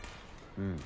うん。